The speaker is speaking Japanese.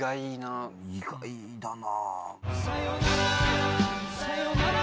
意外だな。